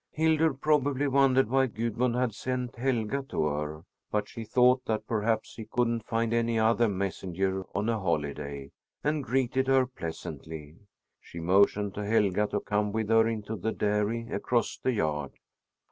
Hildur probably wondered why Gudmund had sent Helga to her, but she thought that perhaps he couldn't find any other messenger on a holiday, and greeted her pleasantly. She motioned to Helga to come with her into the dairy across the yard.